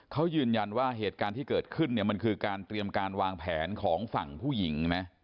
เขายืนยันว่าเหตุการณ์ที่เกิดขึ้นเนี่ยมันคือการเตรียมการวางแผนของฝั่งผู้หญิงนะ